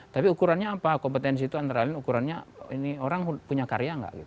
tapi ukurannya apa kompetensi itu antara lain ukurannya ini orang punya karya nggak